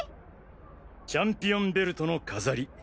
チャンピオンベルトの飾り。